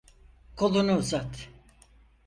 Kolunu uzat.